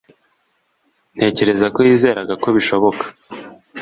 Ntekereza ko yizeraga ko bishoboka